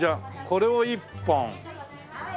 これを１本。